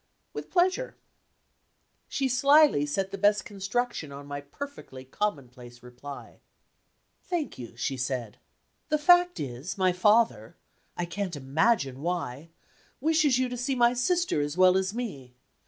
"With pleasure." She slyly set the best construction on my perfectly commonplace reply. "Thank you," she said. "The fact is, my father (I can't imagine why) wishes you to see my sister as well as me.